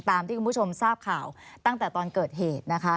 ที่คุณผู้ชมทราบข่าวตั้งแต่ตอนเกิดเหตุนะคะ